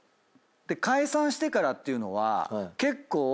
解散してからっていうのは結構。